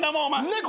猫。